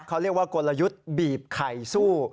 เขาเรียกว่ากลยุทธ์บีบไข่สู้